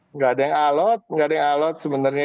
nggak ada yang alot nggak ada yang alot sebenarnya